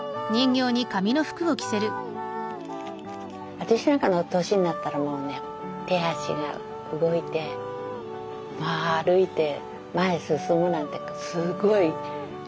私なんかの年になったらもうね手足が動いて歩いて前に進むなんてすごいありがたい。